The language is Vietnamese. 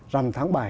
rằm tháng bảy